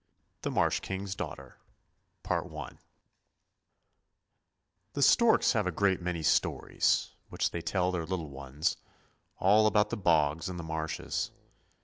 THE MARSH KING'S DAUGHTER THE storks have a great many stories, which they tell their little ones, all about the bogs and the marshes.